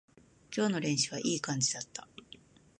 今日の練習はいい感じだった